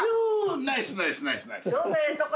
ナイスナイスナイスナイス。